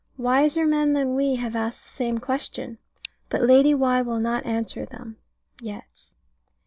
Wiser men than we have asked the same question: but Lady Why will not answer them yet.